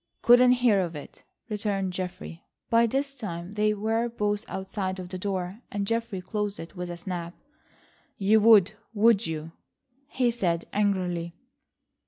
"Couldn't hear of it," returned Geoffrey. By this time they were both outside of the door, and Geoffrey closed it with a snap. "You would, would you?" he said angrily.